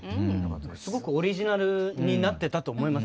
すごくオリジナルになってたと思います。